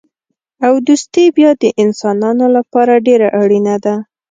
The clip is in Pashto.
او دوستي بیا د انسانانو لپاره ډېره اړینه ده.